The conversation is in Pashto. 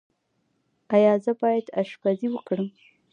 ایا زه باید اشپزي وکړم؟